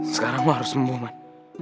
sekarang lu harus sembuh man